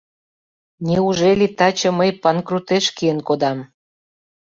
Неужели таче мый панкрутеш киен кодам?